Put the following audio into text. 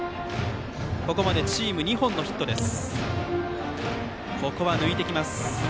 ここまでチーム２本のヒットです。